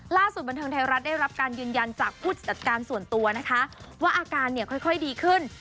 บันเทิงไทยรัฐได้รับการยืนยันจากผู้จัดการส่วนตัวนะคะว่าอาการเนี่ยค่อยดีขึ้น